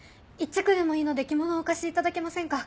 １着でもいいので着物を貸していただけませんか。